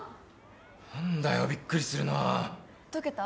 何だよびっくりするなあ解けた？